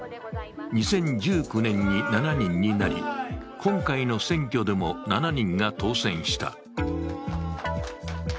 ２０１９年に７人になり今回の選挙でも７人が当選した。